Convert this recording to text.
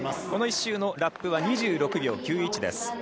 この１周のラップは２６秒９１です。